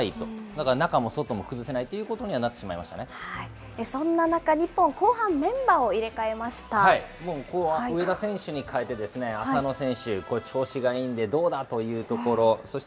だから中も外も崩せないということにはなそんな中、日本、後半、メン上田選手に代えて浅野選手、これ調子がいいんでどうだというところ。